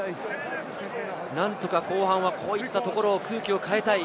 何とか後半はそういったところ、空気を変えたい。